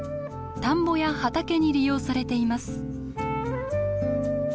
田んぼや畑に利用されています。